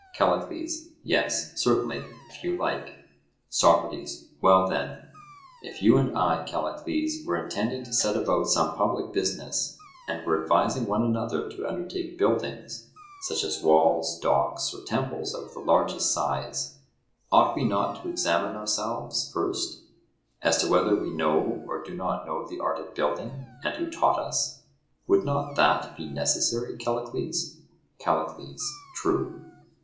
CALLICLES: Yes, certainly, if you like. SOCRATES: Well, then, if you and I, Callicles, were intending to set about some public business, and were advising one another to undertake buildings, such as walls, docks or temples of the largest size, ought we not to examine ourselves, first, as to whether we know or do not know the art of building, and who taught us?—would not that be necessary, Callicles? CALLICLES: True.